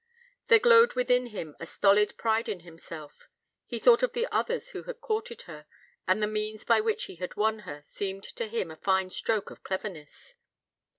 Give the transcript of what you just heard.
There glowed within him a stolid pride in himself: he thought of the others who had courted her, and the means by which he had won her seemed to him a fine stroke of cleverness.